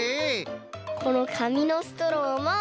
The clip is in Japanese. このかみのストローも。